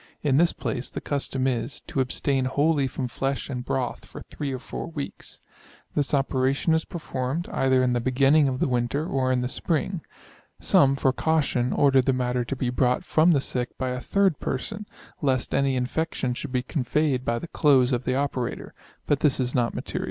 In this place the custom is, to abstain wholly from flesh and broth for 3 or 4 weeks. This operation is performed, either in the beginning of the winter, or in the spring. Some, for caution, order the matter to be brought from the sick by a 3d person, lest any infection should be conveyed by the clothes of the operator; but this is not material.